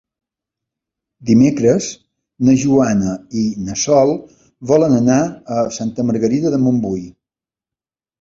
Dimecres na Joana i na Sol volen anar a Santa Margarida de Montbui.